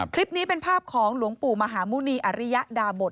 คลิปนี้เป็นภาพของหลวงปู่มหาหมุณีอริยดาบท